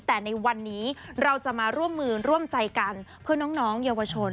แต่ในวันนี้เราจะมาร่วมมือร่วมใจกันเพื่อน้องเยาวชน